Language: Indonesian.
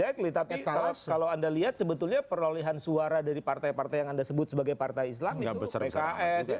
backly tapi kalau anda lihat sebetulnya perolehan suara dari partai partai yang anda sebut sebagai partai islam itu pks